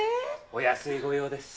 お安いご用です。